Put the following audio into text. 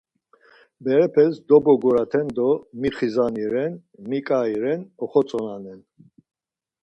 Berepez doboguraten do mi xizani ren mi ǩai ren oxotzonanen.